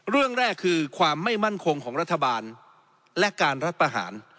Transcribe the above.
เรื่องแรกคือความไม่มั่นคงของรัฐบาลและการรัฐประหาร